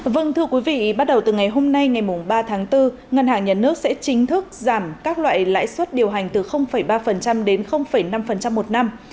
vâng thưa quý vị bắt đầu từ ngày hôm nay ngày ba tháng bốn ngân hàng nhà nước sẽ chính thức giảm các loại lãi suất điều hành từ ba đến năm một năm